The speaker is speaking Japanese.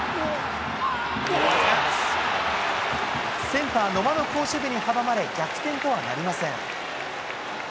センター、野間の好守備に阻まれ、逆転とはなりません。